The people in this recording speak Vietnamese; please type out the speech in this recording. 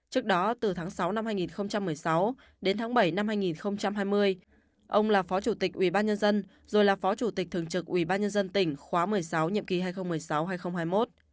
trước đó từ tháng sáu năm hai nghìn một mươi sáu đến tháng bảy năm hai nghìn hai mươi ông là phó chủ tịch ủy ban nhân dân rồi là phó chủ tịch thường trực ủy ban nhân dân tỉnh khóa một mươi sáu nhiệm ký hai nghìn một mươi sáu hai nghìn hai mươi một